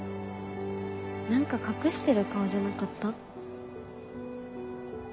何か隠してる顔じゃなかった？